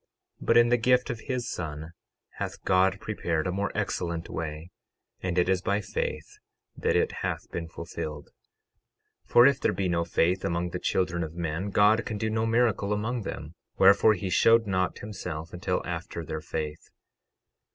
But in the gift of his Son hath God prepared a more excellent way; and it is by faith that it hath been fulfilled. 12:12 For if there be no faith among the children of men God can do no miracle among them; wherefore, he showed not himself until after their faith.